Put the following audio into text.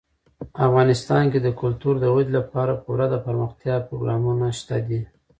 افغانستان کې د کلتور د ودې لپاره پوره دپرمختیا پروګرامونه شته دي.